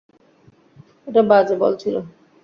এটা বাজে বল ছিল।